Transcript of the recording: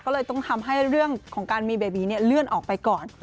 ก็เลยต้องทำให้เรื่องของการมีเบบีเลื่อนออกไปก่อน